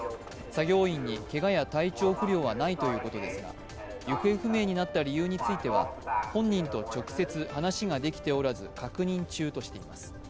作業員にけがや体調不良はないということですが、行方不明になった理由については、本人と直接話ができておらず確認中としています。